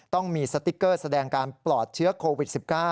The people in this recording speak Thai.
ต้องมีสติ๊กเกอร์แสดงการปลอดเชื้อโควิด๑๙